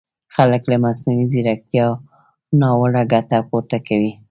خلک له مصنوعي ځیرکیتا ناوړه ګټه پورته کوي!